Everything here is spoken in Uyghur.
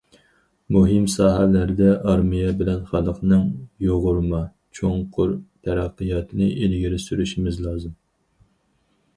مۇھىم ساھەلەردە ئارمىيە بىلەن خەلقنىڭ يۇغۇرما، چوڭقۇر تەرەققىياتىنى ئىلگىرى سۈرۈشىمىز لازىم.